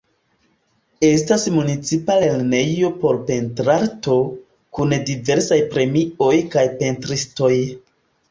Estas Municipa Lernejo por Pentrarto, kun diversaj premioj kaj pentristoj.